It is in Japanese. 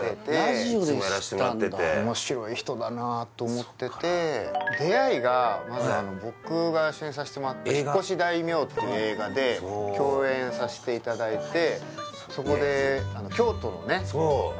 いつもやらしてもらってて出会いがまず僕が主演させてもらった「引っ越し大名！」っていう映画で共演させていただいて